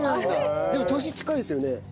でも年近いですよね？